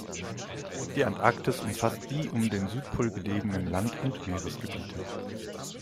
Die Antarktis umfasst die um den Südpol gelegenen Land- und Meeresgebiete.